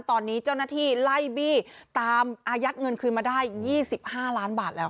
ตอนนี้เจ้าหน้าที่ไล่บี้ตามอายัดเงินคืนมาได้๒๕ล้านบาทแล้ว